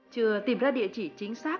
chừa tìm ra địa chỉ chính xác